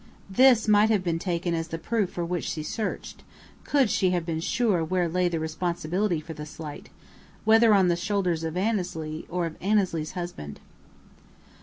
This might have been taken as the proof for which she searched, could she have been sure where lay the responsibility for the slight, whether on the shoulders of Annesley or of Annesley's husband.